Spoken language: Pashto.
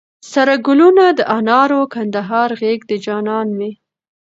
سره ګلونه د انارو، کندهار غېږ د جانان مي